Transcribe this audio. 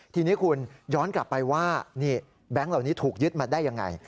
ทีนี้คุณย้อนกลับไปว่าแบงค์เหล่านี้ถูกยึดมาได้ยังไง